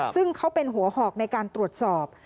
ซึ่งเขาเป็นหัวหอกในการตรวจสอบ